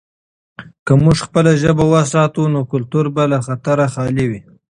که موږ خپله ژبه وساتو، نو کلتور به له خطره خالي وي.